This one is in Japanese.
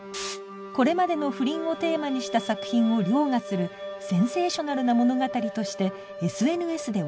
これまでの不倫をテーマにした作品を凌駕するセンセーショナルな物語として ＳＮＳ で話題に